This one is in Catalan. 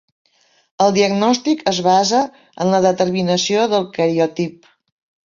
El diagnòstic es basa en la determinació del cariotip.